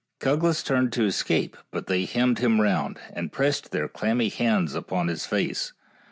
Cuglas turned to escape, but they hemmed him round, and pressed their clammy hands upon his face.